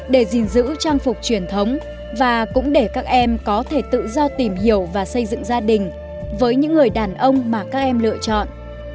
để gìn giữ trang phục truyền thống và cũng để các em có thể tự do tìm hiểu và xây dựng gia đình với những người đàn ông mà các em lựa chọn